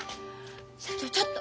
社長ちょっと。